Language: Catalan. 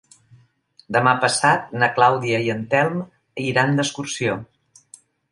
Demà passat na Clàudia i en Telm iran d'excursió.